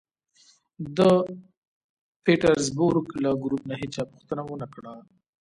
د پېټرزبورګ له ګروپ نه هېچا پوښتنه و نه کړه